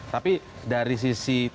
tapi dari sisi